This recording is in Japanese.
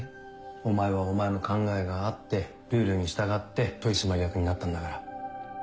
お前はお前の考えがあってルールに従って取締役になったんだから。